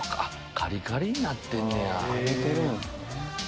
カリカリになってんねや。